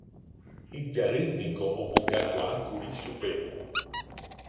Ijarýiniko omongakuaákuri chupe